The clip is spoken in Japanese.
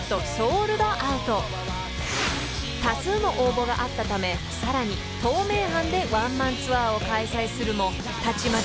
［多数の応募があったためさらに東名阪でワンマンツアーを開催するもたちまち］